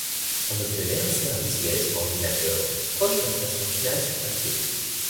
On obtenait ainsi un visuel sur ordinateur proche de la version finale sur papier.